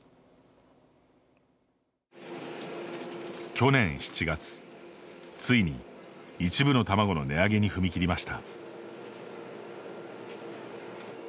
去年７月、ついに一部の卵の値上げに踏み切りました。